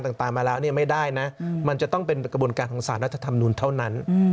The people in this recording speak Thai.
ต่างมาแล้วเนี่ยไม่ได้นะมันจะต้องเป็นกระบวนการของสารรัฐธรรมนุนเท่านั้น